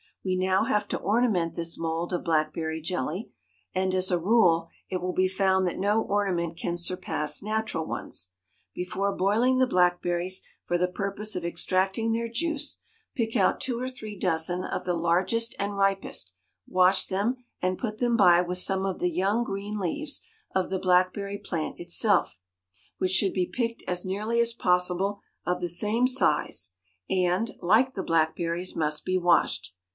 We now have to ornament this mould of blackberry jelly, and, as a rule, it will be found that no ornament can surpass natural ones. Before boiling the blackberries for the purpose of extracting their juice, pick out two or three dozen of the largest and ripest, wash them and put them by with some of the young green leaves of the blackberry plant itself, which should be picked as nearly as possible of the same size, and, like the blackberries, must be washed.